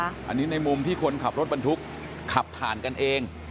อันนี้ในมุมที่คนขับรถบรรทุกขับผ่านกันเอง